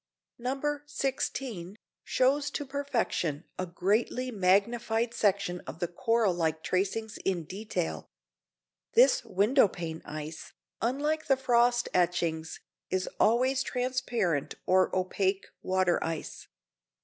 No. 16 shows to perfection a greatly magnified section of the coral like tracings in detail. This window pane ice, unlike the frost etchings, is always transparent or opaque water ice.